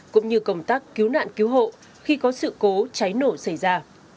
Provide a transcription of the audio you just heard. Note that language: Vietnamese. cũng như công tác cứu nạn cứu hộ khi có sự cố cháy nổ xảy ra